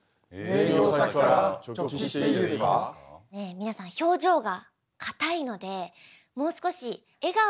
皆さん表情が硬いのでもう少し笑顔で。